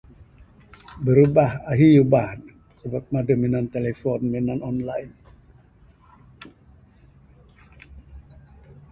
Berubah, ahi ubah ne sebab meh adeh minan telephone minan online.